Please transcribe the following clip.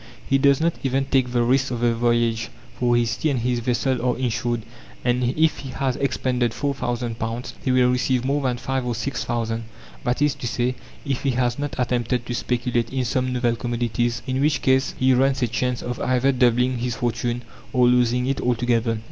He does not even take the risks of the voyage, for his tea and his vessel are insured, and if he has expended four thousand pounds he will receive more than five or six thousand; that is to say, if he has not attempted to speculate in some novel commodities, in which case he runs a chance of either doubling his fortune or losing it altogether.